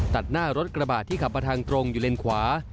ตัดหน้ารถกระบาดที่ขับมาทางตรงอยู่เลนขวา